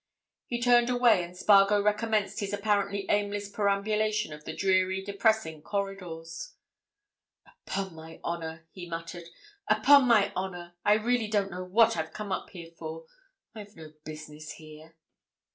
He turned away, and Spargo recommenced his apparently aimless perambulation of the dreary, depressing corridors. "Upon my honour!" he muttered. "Upon my honour, I really don't know what I've come up here for. I've no business here."